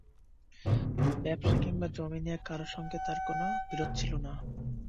ব্যবসা কিংবা জমি নিয়ে কারো সঙ্গে তাঁর কোনো বিরোধ ছিল না।